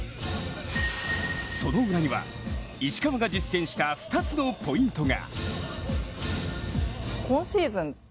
その裏には、石川が実践した２つのポイントが。